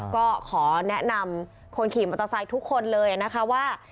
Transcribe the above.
ก็ขอแนะนำคนขี่มอเตอร์ไซค์ทุกคนเลยนะคะว่า